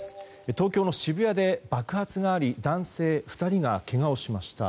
東京の渋谷で爆発があり男性２人がけがをしました。